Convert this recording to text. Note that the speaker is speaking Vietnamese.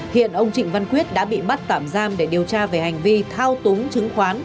hiện ông trịnh văn quyết đã bị bắt tạm giam để điều tra về hành vi thao túng chứng khoán